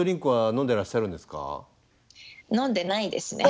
飲んでないですね。